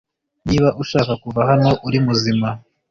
Niba ushaka kuva hano uri muzima,